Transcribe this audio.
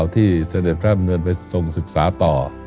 ที่เสด็จพระบันเงินไปส่งศึกษาต่อ